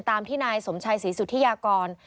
ตามที่นายสมชัยศรีสุธิยากร